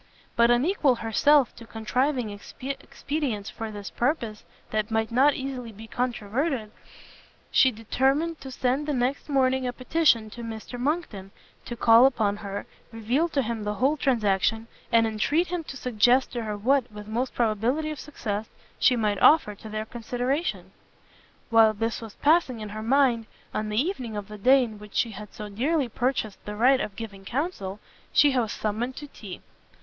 But unequal herself to contriving expedients for this purpose that might not easily be controverted, she determined to send the next morning a petition to Mr Monckton to call upon her, reveal to him the whole transaction, and entreat him to suggest to her what, with most probability of success, she might offer to their consideration. While this was passing in her mind, on the evening of the day in which she had so dearly purchased the right of giving counsel, she was summoned to tea.